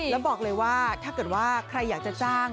แล้วบอกเลยว่าถ้าเกิดว่าใครอยากจะจ้าง